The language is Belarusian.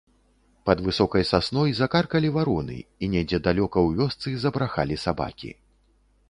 Пад высокай сасной закаркалі вароны, і недзе далёка ў вёсцы забрахалі сабакі.